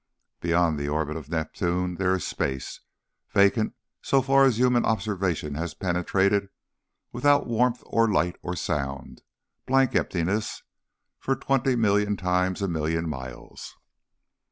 Beyond the orbit of Neptune there is space, vacant so far as human observation has penetrated, without warmth or light or sound, blank emptiness, for twenty million times a million miles.